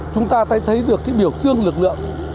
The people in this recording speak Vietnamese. chúng ta thấy được cái biểu dương lực lượng